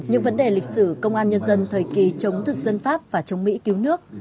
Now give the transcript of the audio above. những vấn đề lịch sử công an nhân dân thời kỳ chống thực dân pháp và chống mỹ cứu nước